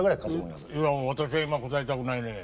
いや私は今答えたくないね。